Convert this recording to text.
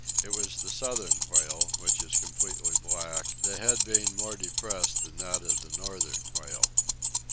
It was the southern whale, which is completely black, the head being more depressed than that of the northern whale.